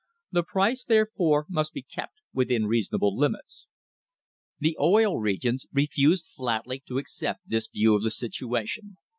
The price, therefore, must be kept within reasonable limits." The Oil Regions refused flatly to accept this view of the situation.